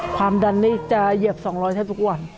ความดันนี่จะเหยียบ๒๐๐แทบทุกวัน